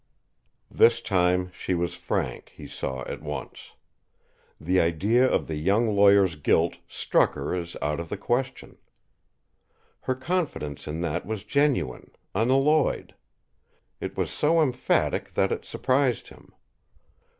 This time she was frank, he saw at once. The idea of the young lawyer's guilt struck her as out of the question. Her confidence in that was genuine, unalloyed. It was so emphatic that it surprised him.